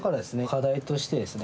課題としてですね